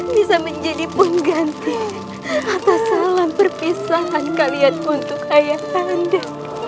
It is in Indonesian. bisa menjadi pengganti atas salam perpisahan kalian untuk ayah anda